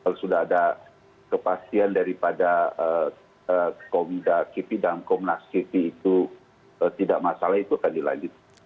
kalau sudah ada kepastian daripada covid sembilan belas dan covid sembilan belas itu tidak masalah itu tadi lagi